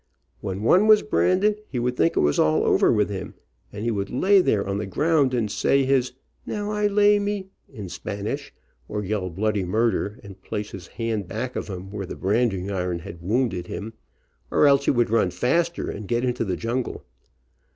When one was branded he would think it was all over with him, and he would lay there on the ground and say his "Now I lay me" in Spanish, or yell bloody murder, and place his hand back of him where the branding iron had wounded him, or else he would run faster, and get into the jungle.